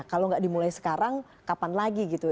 kalau nggak dimulai sekarang kapan lagi gitu